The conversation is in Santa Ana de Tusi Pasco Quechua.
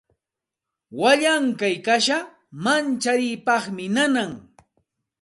Wallankuy kasha mancharipaqmi nanan.